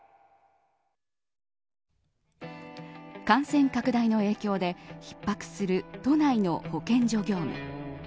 感染拡大の影響で逼迫する都内の保健所業務。